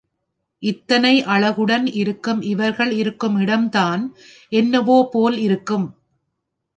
இத்தனை அழகுடன் இருக்கும் இவர்கள் இருக்கும் இடம்தான் என்னவோ போல் இருக்கும்.